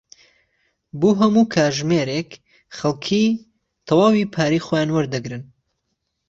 بۆ هەموو کاتژمێرێک خەڵکی تەواوی پارەی خۆیان وەردەگرن.